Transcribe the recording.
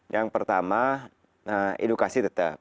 yang pertama edukasi tetap